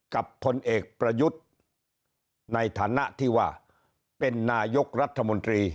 ผลเอกประยุทธ์ในฐานะที่ว่าเป็นนายกรัฐมนตรี